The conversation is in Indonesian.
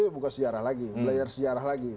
ya buka sejarah lagi